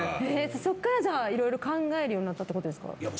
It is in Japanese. そこからいろいろ考えるようになったんですか？